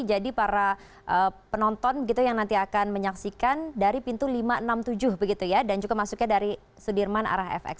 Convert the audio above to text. jadi para penonton yang nanti akan menyaksikan dari pintu lima ratus enam puluh tujuh begitu ya dan juga masuknya dari sudirman arah fx